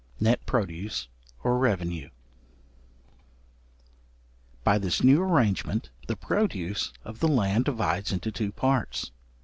Net Produce, or revenue. By this new arrangement, the produce of the land divides into two parts.